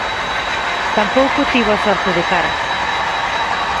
Tampouco tivo a sorte de cara.